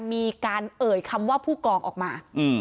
มีการเอ่ยคำว่าผู้กองออกมา